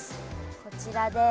こちらです。